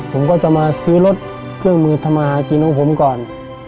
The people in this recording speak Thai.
ผมก็จะมาซื้อรถเครื่องมือธรรมาฮาคีนองค์ผมก่อน